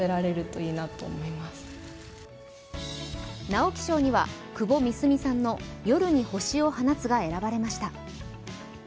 直木賞には窪美澄さんの「夜に星を放つ」が選ばれました。